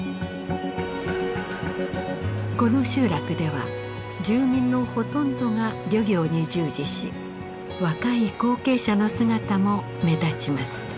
この集落では住民のほとんどが漁業に従事し若い後継者の姿も目立ちます。